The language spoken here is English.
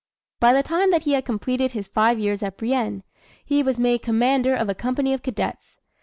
By the time that he had completed his five years at Brienne, he was made commander of a company of cadets.